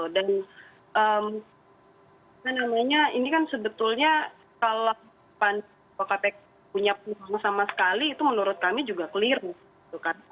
dan ini kan sebetulnya kalau kpp punya penghormatan sama sekali itu menurut kami juga keliru